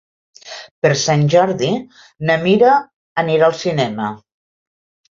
Per Sant Jordi na Mira anirà al cinema.